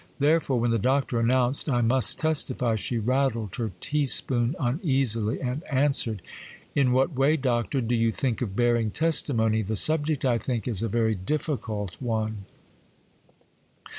Therefore, when the Doctor announced, 'I must testify,' she rattled her tea spoon uneasily, and answered,— 'In what way, Doctor, do you think of bearing testimony? The subject, I think, is a very difficult one.